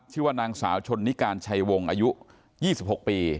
ชื่อว่านางสาวชนนิการชัยวงศ์อายุ๒๖ปี